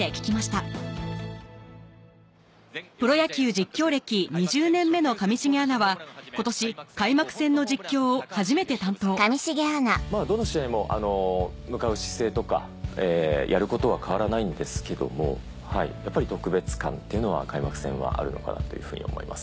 実況歴２０年目の上重アナは今年どの試合も向かう姿勢とかやることは変わらないんですけどもやっぱり特別感というのは開幕戦はあるのかなというふうに思います。